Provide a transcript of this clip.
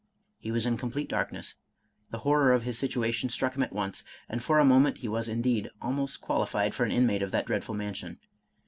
He was in complete darkness ; the horror of his situation struck him at once, and for a moment he was indeed almost qualified for an inmate of that dreadful mansion.